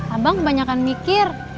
abang kebanyakan mikir